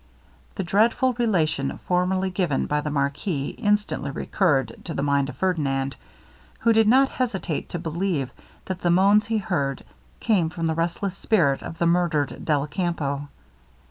The dreadful relation formerly given by the marquis instantly recurred to the mind of Ferdinand, who did not hesitate to believe that the moans he heard came from the restless spirit of the murdered Della Campo.